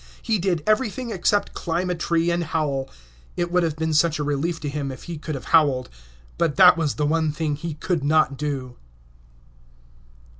He did everything except climb a tree, and howl. It would have been such a relief to him if he could have howled. But that was the one thing he could not do.